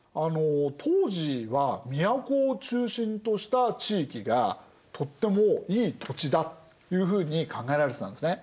当時は都を中心とした地域がとってもいい土地だというふうに考えられてたんですね。